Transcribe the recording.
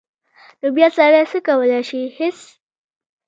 نو بیا سړی څه کولی شي هېڅ.